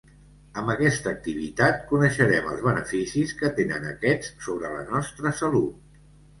Amb aquesta activitat, coneixerem els beneficis que tenen aquests sobre la nostra salut.